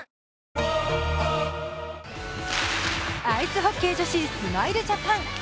アイスホッケー女子、スマイルジャパン。